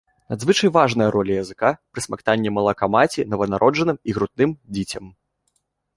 Надзвычай важная роля языка пры смактанні малака маці нованароджаным і грудным дзіцем.